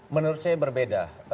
menurut saya berbeda